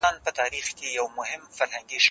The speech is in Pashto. زه کولای سم درسونه لوستل کړم؟!